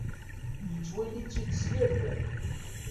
Yettwali-tt-id s yir tiṭ.